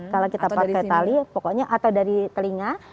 kalau kita pakai tali pokoknya atau dari telinga